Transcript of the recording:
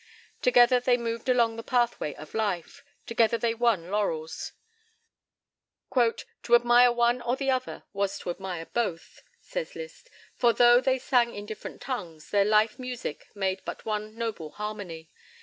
Together they moved along the pathway of life; together they won their laurels. "To admire one or the other was to admire both," says Liszt, "for, though they sang in different tongues, their life music made but one noble harmony.